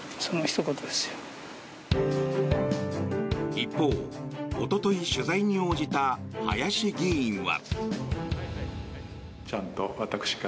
一方、おととい取材に応じた林議員は。